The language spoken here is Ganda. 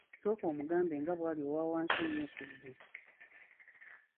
Sooka omugambe nga bwali owa wansi ennyo ku ggwe.